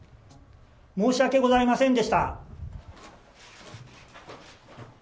申し訳ございませんでした。